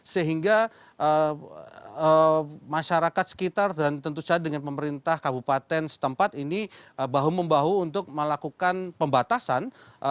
sehingga masyarakat sekitar dan tentu saja dengan pemerintah kabupaten setempat ini bahu membahu untuk melakukan pembatasan